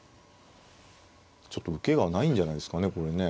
ちょっと受けがないんじゃないですかねこれね。